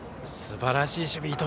すばらしい守備。